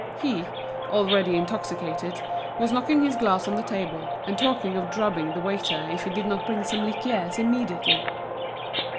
He, already intoxicated, was knocking his glass on the table, and talking of drubbing the waiter if he did not bring some "liqueurs" immediately.